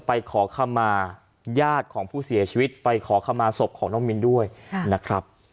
ไปขอคำมาญาติของผู้เสียชีวิตไปขอคำมาศพของน้องมิ้นด้วยนะครับ